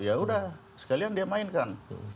ya udah sekalian dia mainkan